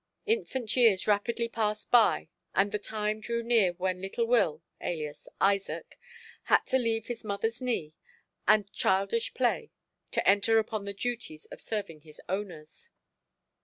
Infant years rapidly passed by and the time drew near when little Will, alias Isaac, had to leave his mother's knee and childish play to enter upon the duties of serving his owners.